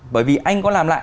bởi vì anh có làm lại